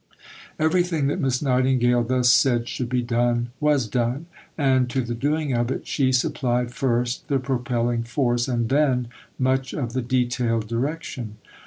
Everything that Miss Nightingale thus said should be done, was done; and to the doing of it, she supplied, first, the propelling force, and, then, much of the detailed direction.